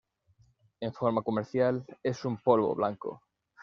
En forma comercial, es un polvo blanco.